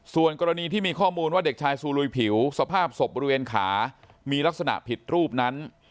ส่วนกรณีที่มีข้อมูลว่าเด็กชายซูลุยผิวสภาพศพบริเวณขามีลักษณะผิดรูปนั้น